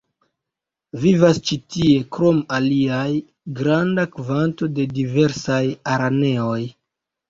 Vivas ĉi tie krom aliaj granda kvanto de diversaj araneoj.